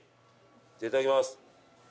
じゃあいただきます。